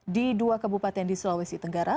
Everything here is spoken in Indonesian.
di dua kabupaten di sulawesi tenggara